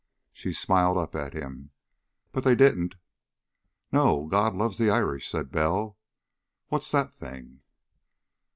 She smiled up at him. "But they didn't." "No.... God loves the Irish," said Bell. "What's that thing?"